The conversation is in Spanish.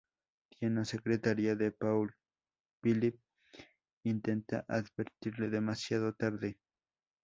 Tiana, secretaría de Paul Philip, intenta advertirle demasiado tarde.